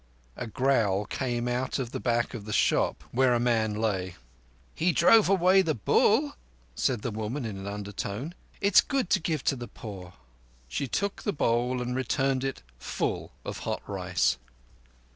A growl came out of the back of the shop, where a man lay. "He drove away the bull," said the woman in an undertone. "It is good to give to the poor." She took the bowl and returned it full of hot rice.